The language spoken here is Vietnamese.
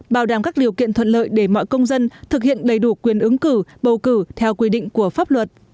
bảo đảm các điều kiện thuận lợi để mọi công dân thực hiện đầy đủ quyền ứng cử bầu cử theo quy định của pháp luật